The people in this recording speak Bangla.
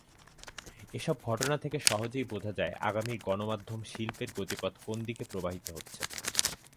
এসব ঘটনা থেকে সহজেই বোঝা যায় আগামীর গণমাধ্যম শিল্পের গতিপথ কোন দিকে প্রবাহিত হচ্ছে।